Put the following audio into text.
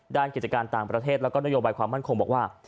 กิจการต่างประเทศแล้วก็นโยบายความมั่นคงบอกว่า